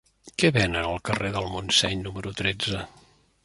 Què venen al carrer del Montseny número tretze?